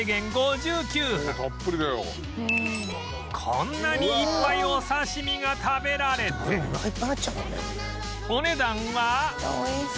こんなにいっぱいお刺身が食べられてお値段は